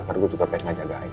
kan gue juga pengen ngejagain